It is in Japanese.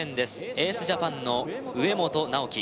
エースジャパンの植本尚輝